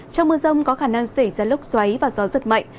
trong mưa rông có khả năng xảy ra lốc xoáy và gió giật mạnh